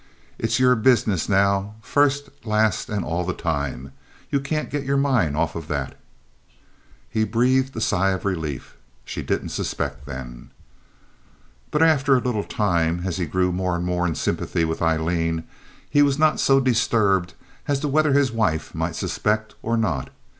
It's your business now, first, last, and all the time. You can't get your mind off of that." He breathed a sigh of relief. She didn't suspect, then. But after a little time, as he grew more and more in sympathy with Aileen, he was not so disturbed as to whether his wife might suspect or not.